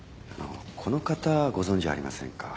この方ご存じありませんか？